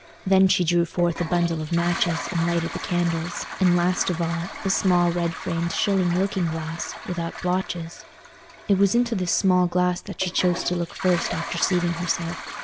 Then she drew forth a bundle of matches and lighted the candles; and last of all, a small red framed shilling looking glass, without blotches. It was into this small glass that she chose to look first after seating herself.